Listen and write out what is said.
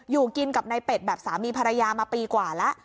อยู่กินกับนายเป็ดแบบสามีภรรยามาปีกว่าแล้ว